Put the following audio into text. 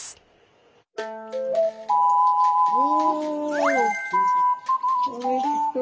おおいしそう！